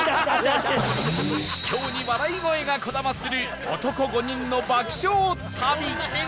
秘境に笑い声がこだまする男５人の爆笑旅